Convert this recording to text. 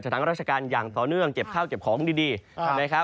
จะทั้งราชการอย่างต่อเนื่องเก็บข้าวเก็บของดี